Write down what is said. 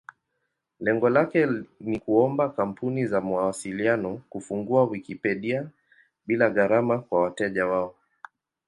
Lengo lake ni kuomba kampuni za mawasiliano kufungua Wikipedia bila gharama kwa wateja wao.